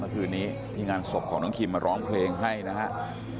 เมื่อคืนนี้ที่งานศพของน้องคิมมาร้องเพลงให้นะครับ